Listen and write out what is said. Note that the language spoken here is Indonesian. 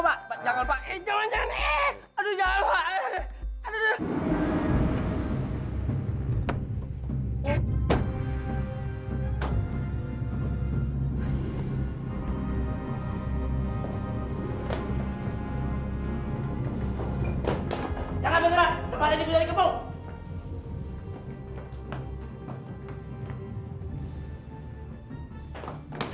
pak jangan pak eh jangan eh